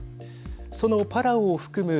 そのパラオを含む